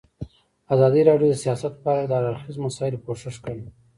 ازادي راډیو د سیاست په اړه د هر اړخیزو مسایلو پوښښ کړی.